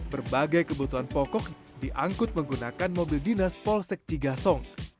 berbagai kebutuhan pokok diangkut menggunakan mobil dinas polsek cigasong